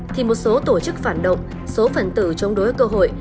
thì một số tổ chức phản động số phần tử chống đối cơ hội